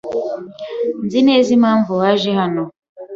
Sinzi neza impamvu waje hano.